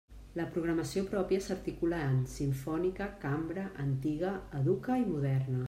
La programació pròpia s'articula en: simfònica, cambra, antiga, educa i moderna.